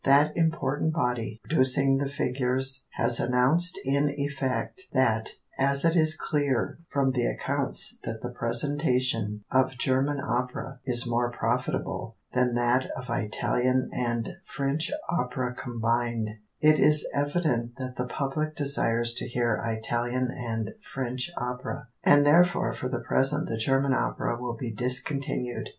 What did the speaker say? That important body, producing the figures, has announced in effect that as it is clear from the accounts that the presentation of German opera is more profitable than that of Italian and French opera combined, it is evident that the public desires to hear Italian and French opera, and therefore for the present the German opera will be discontinued.